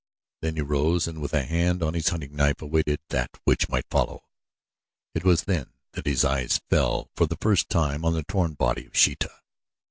Then he rose and with a hand on his hunting knife awaited that which might follow. It was then that his eyes fell for the first time on the torn body of Sheeta.